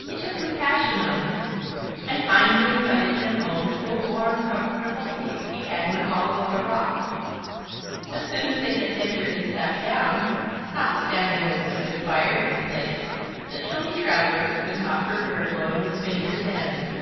He took compassion on him, and kindly invited him home to a warm, comfortable cave he had in the hollow of a rock. As soon as they had entered and sat down, notwithstanding there was a good fire in the place, the chilly Traveler could not forbear blowing his fingers' ends.